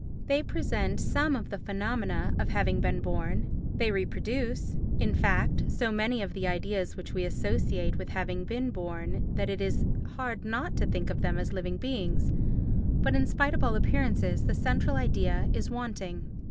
They present some of the phenomena of having been born—they reproduce, in fact, so many of the ideas which we associate with having been born that it is hard not to think of them as living beings—but in spite of all appearances the central idea is wanting.